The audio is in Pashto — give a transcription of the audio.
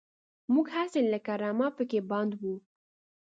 موږ هسې لکه رمه پکې پنډ وو.